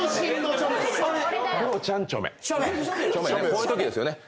こういうときですよね。